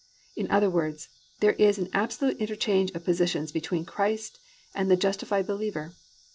In other words, there is an absolute interchange of positions between Christ and the justified believer.